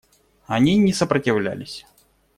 Они не сопротивлялись.